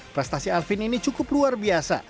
prestasi alvin ini cukup luar biasa